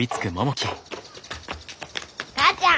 お母ちゃん！